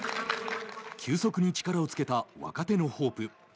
急速に力をつけた若手のホープ。